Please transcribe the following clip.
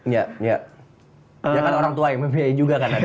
ya ya kan orang tua yang membiayai juga kan ada